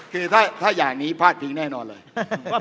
คือถ้าอย่างนี้พาดพิงแน่นอนเลย